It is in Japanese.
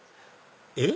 えっ？